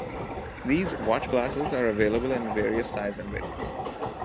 These watch-glasses are available in various sizes and widths.